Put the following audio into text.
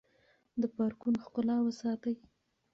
د پارکونو ښکلا وساتئ.